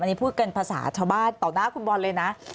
อันนี้พูดกันภาษาชาวบ้านต่อหน้าคุณบอลเลยนะ